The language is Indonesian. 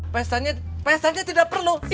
pestanya pestanya tidak perlu